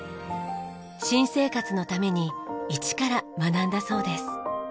新生活のために一から学んだそうです。